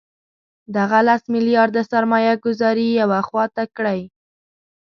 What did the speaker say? دغه لس میلیارده سرمایه ګوزاري یوې خوا ته کړئ.